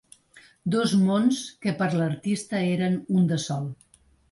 Dos mons que per a l’artista eren un de sol.